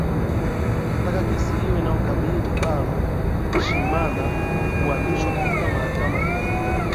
otaka kesi hiyo inayokabili baru shimana kuhamishwa katika mahakama hiyo